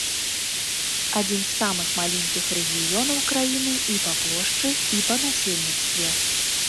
Адзін з самых маленькіх рэгіёнаў краіны і па плошчы, і па насельніцтве.